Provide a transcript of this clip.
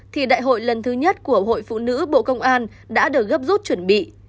thì đại hội lần thứ nhất của hội phụ nữ bộ công an đã được gấp rút chuẩn bị